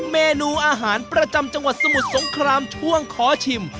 เมนูอาหารประจำจังหวัดสมุทรสงครามช่วงขอชิม